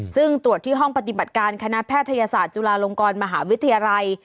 ซึ่งตรวจที่ห้องปฏิบัติการคณะแพทยศาสตร์จุฬาลงกรมหาวิทยาลัย